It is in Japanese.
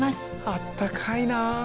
あったかいな。